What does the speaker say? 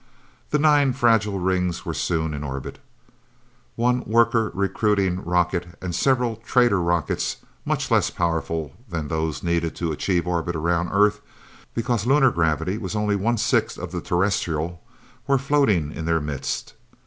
The nine fragile rings were soon in orbit. One worker recruiting rocket and several trader rockets much less powerful than those needed to achieve orbit around Earth because lunar gravity was only one sixth of the terrestrial were floating in their midst.